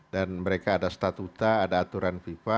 dan mereka ada statuta ada aturan viva